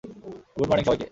Good morning, সবাইকে!